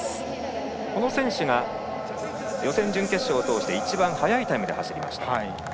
この選手が予選、準決勝を通して一番早いタイムで走りました。